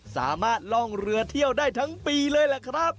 ล่องเรือเที่ยวได้ทั้งปีเลยล่ะครับ